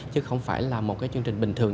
chứ không phải là một cái chương trình bình thường